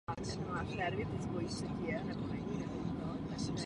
Lípa byla původně součást aleje vedoucí od města k dominikánském klášteru.